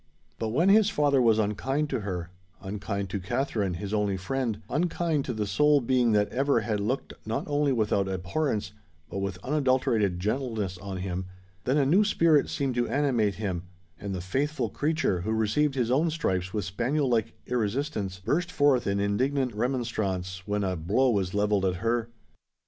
But when his father was unkind to her,—unkind to Katherine, his only friend,—unkind to the sole being that ever had looked not only without abhorrence, but with unadulterated gentleness on him,—then a new spirit seemed to animate him; and the faithful creature, who received his own stripes with spaniel like irresistance, burst forth in indignant remonstrance when a blow was levelled at her.